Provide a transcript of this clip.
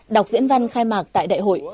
đọc diễn văn khai mạc tại đại hội